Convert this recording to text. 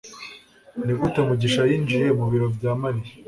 Nigute mugisha yinjiye mu biro bya Mariya?